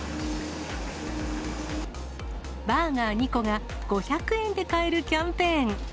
バーガー２個が５００円で買えるキャンペーン。